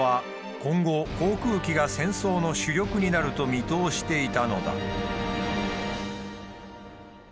今後航空機が戦争の主力になると見通していたのだ。